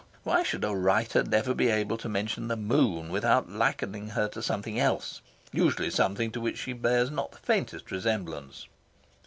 why should a writer never be able to mention the moon without likening her to something else usually something to which she bears not the faintest resemblance?...